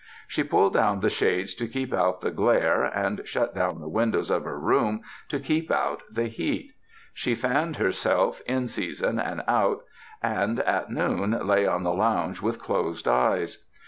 She pulled down the shades to keep out the glare and shut down the windows of her room to keep out the heat; she fanned herself in season and out, and at 273 UNDER THE SKY IN CALIFORNIA noon lay on the lounge with closed eyes.